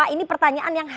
ini pertanyaan yang harus